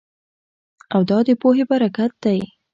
او دا د پوهې برکت دی